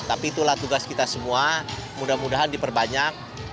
tapi itulah tugas kita semua mudah mudahan diperbanyak